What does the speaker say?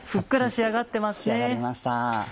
仕上がりました。